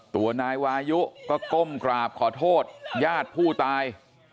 ตัวนายวายุก็ก้มกราบขอโทษญาติผู้ตาย